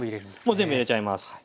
もう全部入れちゃいます。